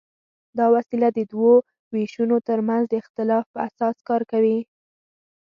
دا وسیله د دوو وېشونو تر منځ د اختلاف په اساس کار کوي.